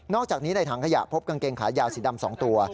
อกจากนี้ในถังขยะพบกางเกงขายาวสีดำ๒ตัว